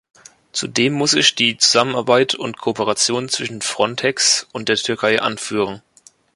Zudem muss ich die Zusammenarbeit und Kooperation zwischen Frontex und der Türkei anführen.